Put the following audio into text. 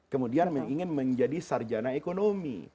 kemudian ingin menjadi sarjana ekonomi